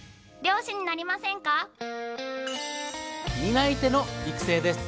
担い手の育成です。